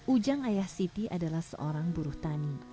ujang ayah siti adalah seorang buruh tani